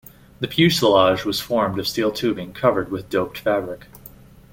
The fuselage was formed of steel tubing covered with doped fabric.